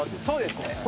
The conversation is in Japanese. そうですね。